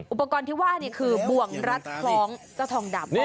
อุปกรณ์ที่ว่านี่คือบ่วงรัดคล้องเจ้าทองดำ